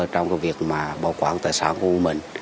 trong việc bảo quản tài sản của mình